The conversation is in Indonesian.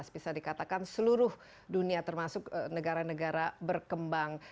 bisa dikatakan seluruh dunia termasuk negara negara berkembang